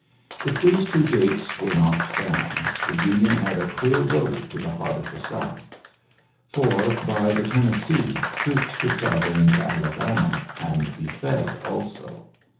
I ULYSSES S. GEANT 55 two gates were knocked down, the Union had a clear road to the heart of the South } for, by the Tennessee, troops could travel into Alabama, and be fed also.